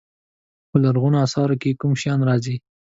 په لرغونو اثارو کې کوم شیان راځي.